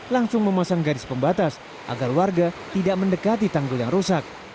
langsung memasang garis pembatas agar warga tidak mendekati tanggul yang rusak